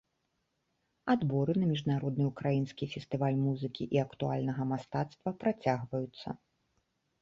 Адборы на міжнародны ўкраінскі фестываль музыкі і актуальнага мастацтва працягваюцца.